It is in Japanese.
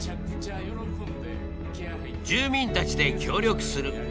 住民たちで協力する。